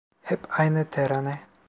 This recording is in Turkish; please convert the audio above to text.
Hep aynı terane.